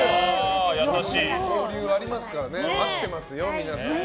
交流ありますから待ってますよ、皆さん。